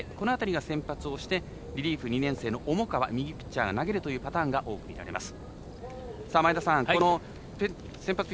このあたりが先発をしてリリーフ２年生の重川右ピッチャーが投げるというパターンが多いです。